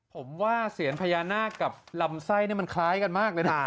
ผมว่าเสียนพญานาคกับลำไส้นี่มันคล้ายกันมากเลยนะ